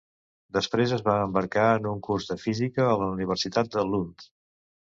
Després es va embarcar en un curs de física a la Universitat de Lund.